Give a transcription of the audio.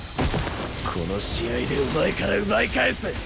この試合でお前から奪い返す！